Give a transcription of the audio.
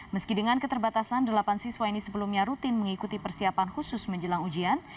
meski dengan keterbatasan delapan siswa ini sebelumnya rutin mengikuti persiapan khusus menjelang ujian